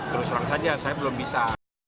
terus terang saja saya belum bisa